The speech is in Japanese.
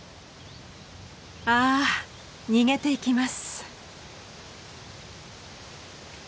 あ逃げていきます。